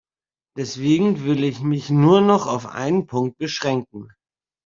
Deswegen will ich mich nur noch auf einen Punkt beschränken.